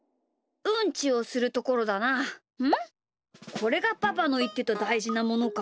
これがパパのいってただいじなものか。